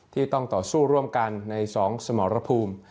ที่ต้องต่อสู้ร่วมกันใน๒สมรภูมิ